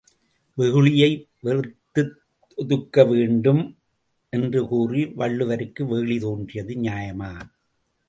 வெகுளியை வெறுத்தொதுக்க வேண்டும் என்று கூறிய வள்ளுவருக்கு வெகுளி தோன்றியது நியாயமா?